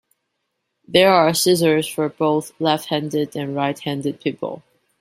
There are scissors for both left-handed and right-handed people.